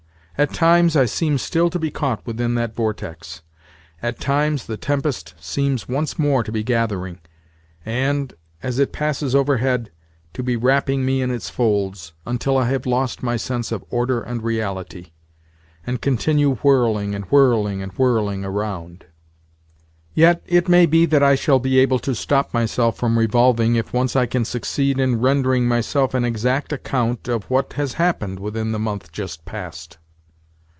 At times I seem still to be caught within that vortex. At times, the tempest seems once more to be gathering, and, as it passes overhead, to be wrapping me in its folds, until I have lost my sense of order and reality, and continue whirling and whirling and whirling around. Yet, it may be that I shall be able to stop myself from revolving if once I can succeed in rendering myself an exact account of what has happened within the month just past.